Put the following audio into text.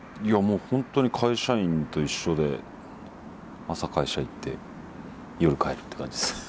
いやもう本当に会社員と一緒で朝会社行って夜帰るって感じです。